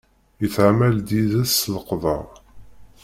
Yettɛamal d yid-s s leqder.